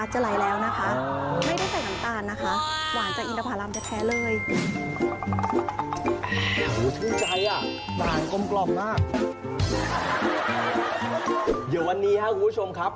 เดี๋ยววันนี้ครับคุณผู้ชมครับ